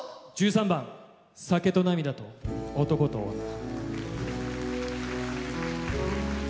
１３番「酒と泪と男と女」。